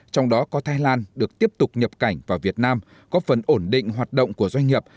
trong đó có thái lan được tiếp tục nhập cảnh vào việt nam có phần ổn định hoạt động của doanh nghiệp